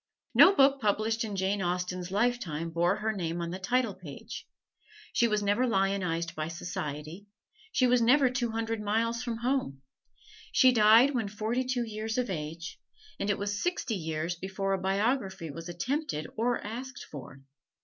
No book published in Jane Austen's lifetime bore her name on the title page; she was never lionized by society; she was never two hundred miles from home; she died when forty two years of age, and it was sixty years before a biography was attempted or asked for.